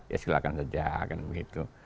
ya silahkan saja kan begitu